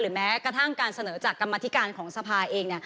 แม้กระทั่งการเสนอจากกรรมธิการของสภาเอง